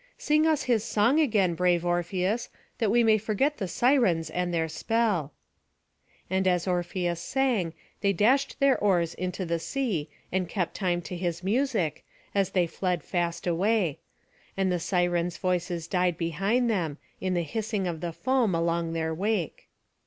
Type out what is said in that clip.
Sing us his song again, brave Orpheus, that we may forget the Sirens and their spell." And as Orpheus sang, they dashed their oars into the sea, and kept time to his music, as they fled fast away; and the Sirens' voices died behind them, in the hissing of the foam along their wake.